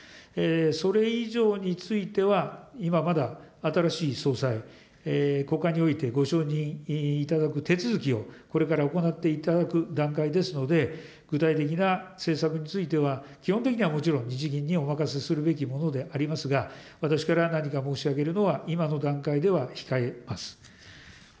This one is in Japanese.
それ以上については、今まだ、新しい総裁、国会においてご承認いただく手続きをこれから行っていただく段階ですので、具体的な政策については、基本的にはもちろん日銀にお任せするべきものでありますが、私から何か申し上げるのは、今の段階では控えます。